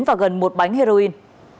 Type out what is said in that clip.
và gần một bánh heroin